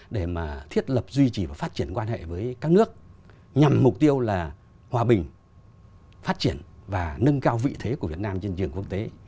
duy trì và phát triển quan hệ với các nước nhằm mục tiêu là hòa bình phát triển và nâng cao vị thế của việt nam trên trường quốc tế